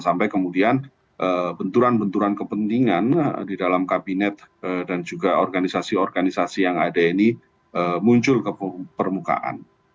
sampai kemudian benturan benturan kepentingan di dalam kabinet dan juga organisasi organisasi yang ada ini muncul ke permukaan